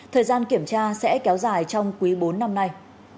thời gian kiểm tra sẽ kéo dài trong quý bốn năm nay